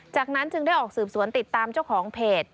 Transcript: จากนั้นจึงได้ออกสืบสวนติดตามเจ้าของเพจ